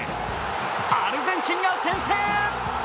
アルゼンチンが先制！